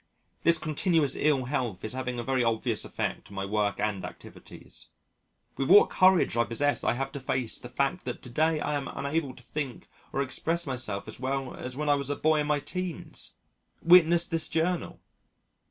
This continuous ill health is having a very obvious effect on my work and activities. With what courage I possess I have to face the fact that to day I am unable to think or express myself as well as when I was a boy in my teens witness this Journal!